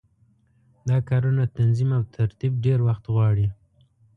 دا کارونه تنظیم او ترتیب ډېر وخت غواړي.